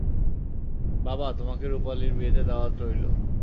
বাবা, তোমাকে রূপালির বিয়েতে দাওয়াত রইল।